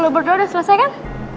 dua berdua udah selesai kan